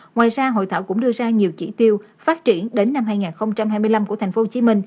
ngoài ra hội thảo cũng đưa ra nhiều chỉ tiêu phát triển đến năm hai nghìn hai mươi năm của tp hcm